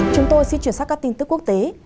chúng tôi xin chuyển sang các tin tức quốc tế